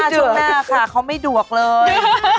ช่วงหน้าค่ะเขาไม่ดวกเลย